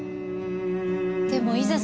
でもいざ